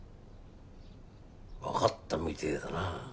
わかったみてえだな。